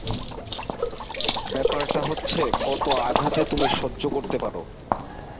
ব্যাপারটা হচ্ছে, কত আঘাত তুমি সহ্য করতে পারো।